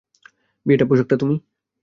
বিয়েটা, পোষাকটা, তুমি।